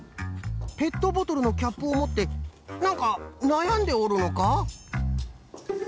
ペットボトルのキャップをもってなんかなやんでおるのか？